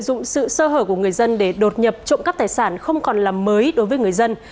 sử dụng sự sơ hở của người dân để đột nhập trộm cắp tài sản không còn là mới đối với người dân